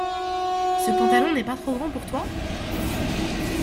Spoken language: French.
Ce pantalon n’est pas trop grand pour toi ?